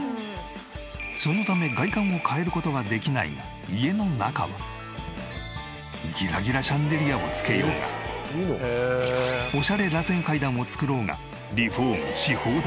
そのため外観を変える事はできないが家の中はギラギラシャンデリアを付けようがオシャレらせん階段を作ろうがリフォームし放題。